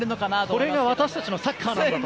これが私たちのサッカーだと。